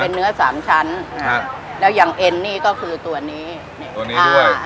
เนื้อสามชั้นครับแล้วอย่างเอ็นนี่ก็คือตัวนี้นี่ตัวนี้ด้วย